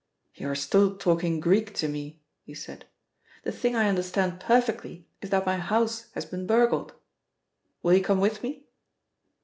"You are still talking Greek to me," he said. "The thing I understand perfectly is that my house has been burgled. Will you come with me?"